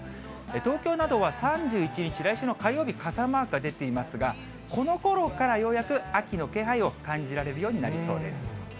東京などは３１日、来週の火曜日、傘マークが出ていますが、このころからようやく秋の気配を感じられるようになりそうです。